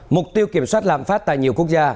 mục tiêu kiểm soát lạm phát tại nhiều quốc gia